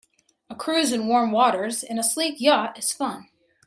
A cruise in warm waters in a sleek yacht is fun.